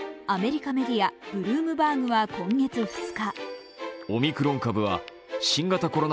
アメリカメディア、ブルームバーグは今月２日